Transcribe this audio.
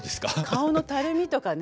顔のたるみとかね